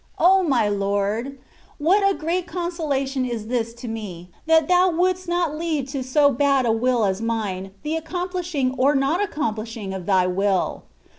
O ! my Lord, what a great consolation is this to me, that Thou wouldst not leave to so bad a will as mine the accomplishing or not accomplishing of Thy will.